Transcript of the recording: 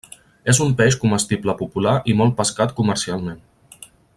És un peix comestible popular i molt pescat comercialment.